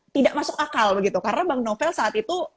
tidak masuk akal begitu karena bang novel saat itu